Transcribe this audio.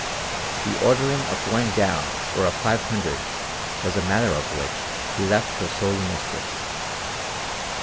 The ordering of one gown or of five hundred was a matter of which he left her sole mistress.